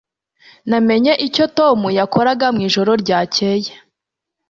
Namenye icyo Tom yakoraga mwijoro ryakeye.